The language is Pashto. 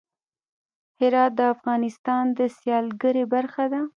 هرات د افغانستان د سیلګرۍ برخه ده.